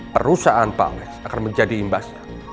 perusahaan pales akan menjadi imbas